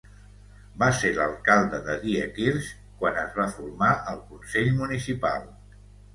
Va ser l'alcalde de Diekirch, quan es va formar el consell municipal.